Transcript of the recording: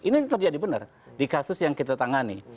ini terjadi benar di kasus yang kita tangani